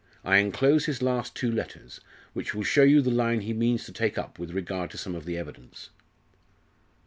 I enclose his last two letters, which will show you the line he means to take up with regard to some of the evidence."